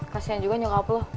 kasian juga nyokap lu